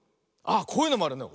あこういうのもあるね。